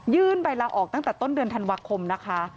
ใบลาออกตั้งแต่ต้นเดือนธันวาคมนะคะ